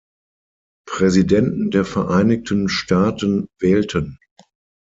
Präsidenten der Vereinigten Staaten wählten.